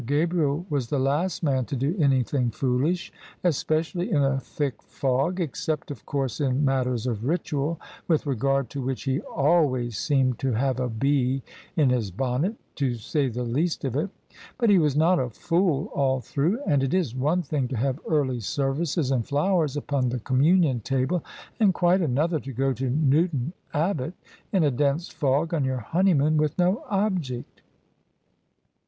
Gabriel was the last man to do anything foolish, especially in a thick fog — except of course in matters of ritual, with regard to which he alwa3rs seemed to have a bee in his bonnet, to say the least of it. But he was not a fool all through : and it is one thing to have early services and flowers upon the com munion table, and quite another to go to Newton Abbot in a dense fog on your honeymoon with no object."